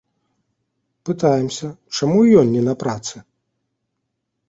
Пытаемся, чаму і ён не на працы?